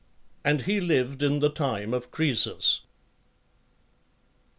And he lived in the time of Kroesos.